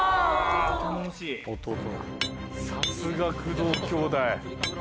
さすが工藤兄弟。